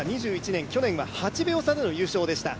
２１年、去年は８秒差での優勝でした。